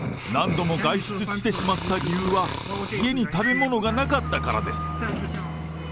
何度も外出してしまった理由は、家に食べ物がなかったからです。